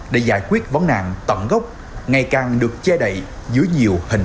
để giải quyết vấn nạn tận gốc ngày càng được che đậy dưới nhiều hình thức tinh vi